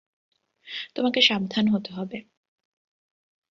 তোমাকে সাবধান হতে হবে।